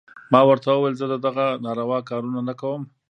ما ورته وويل زه دغه ناروا کارونه نه کوم.